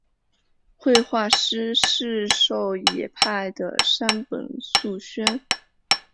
绘画师事狩野派的山本素轩。